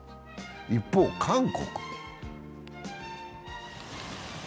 一方、韓国。